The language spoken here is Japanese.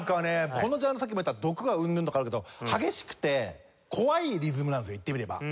このジャンルさっきも言った毒がうんぬんとかあるけど激しくて怖いリズムなんですよ言ってみれば。